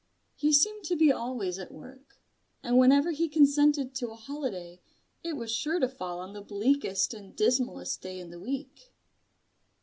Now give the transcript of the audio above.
He seemed to be always at work; and whenever he consented to a holiday, it was sure to fall on the bleakest and dismallest day in the week.